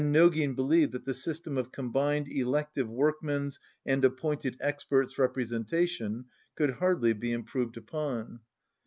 Nogin believed that the system of combined elective workmen's and appointed experts' repre sentation could hardly be improved upon.